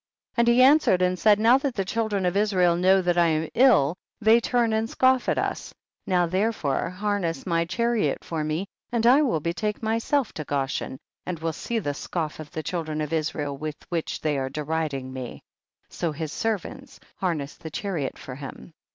39. And he answered and said, now that tiie children of Israel know that I am ill, they turn and scoff at us, now therefore harness my chariot for me, aad I will betake myself to Goshen and will see the scoti' of the children of Israel with which they are deriding me ; so his servants har nessed the chariot for him.